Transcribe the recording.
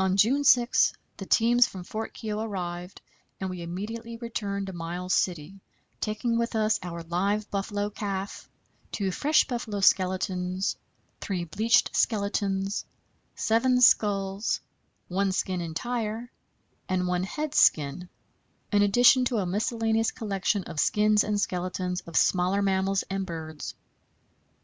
On June 6 the teams from Fort Keogh arrived, and we immediately returned to Miles City, taking with us our live buffalo calf, two fresh buffalo skeletons, three bleached skeletons, seven skulls, one skin entire, and one head skin, in addition to a miscellaneous collection of skins and skeletons of smaller mammals and birds.